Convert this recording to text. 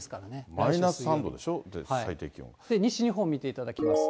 マイナス３度でしょ、西日本見ていただきますと。